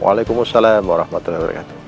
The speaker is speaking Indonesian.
waalaikumsalam warahmatullahi wabarakatuh